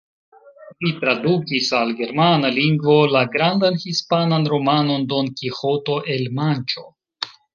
Li tradukis al germana lingvo la grandan hispanan romanon Don Kiĥoto el Manĉo.